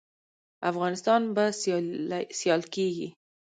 افغانستان به سیال کیږي؟